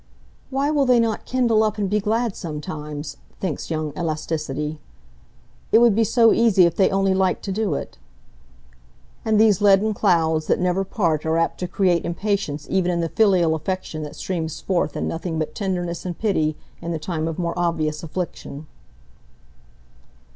"Why will they not kindle up and be glad sometimes?" thinks young elasticity. "It would be so easy if they only liked to do it." And these leaden clouds that never part are apt to create impatience even in the filial affection that streams forth in nothing but tenderness and pity in the time of more obvious affliction.